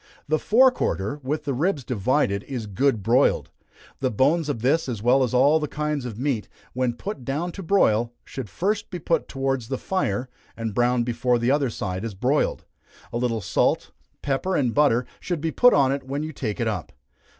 The fore quarter, with the ribs divided, is good broiled. The bones of this, as well as all kinds of meat, when put down to broil, should first be put towards the fire, and browned before the other side is broiled. A little salt, pepper, and butter, should be put on it when you take it up.